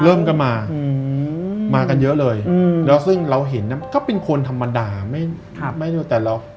เริ่มกันมามากันเยอะเลยแล้วซึ่งเราเห็นน่ะก็เป็นคนธรรมดาไม่ครับไม่รู้แต่เรา